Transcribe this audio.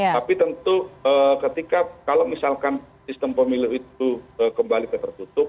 tapi tentu ketika kalau misalkan sistem pemilu itu kembali ke tertutup